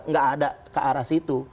nggak ada ke arah situ